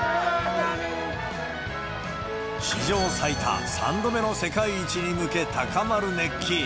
史上最多、３度目の世界一に向け、高まる熱気。